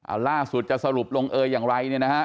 เอาล่าสุดจะสรุปลงเอยอย่างไรเนี่ยนะฮะ